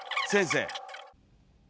先生！